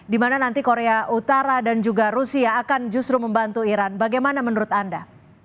dimana nanti korea utara dan juga rusia akan justru membantu iran bagaimana menurut anda